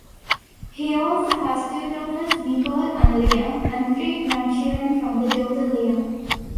He also has two daughters, Nikol and Lea, and three grandchildren from daughter Lea.